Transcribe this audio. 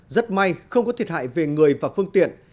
rất may không có thiệt hại về người và phương tiện